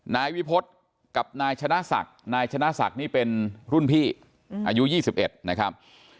นายวิพฤษกับนายชนะศักดิ์นายชนะศักดิ์นี่เป็นรุ่นพี่อายุ๒๑นะครับ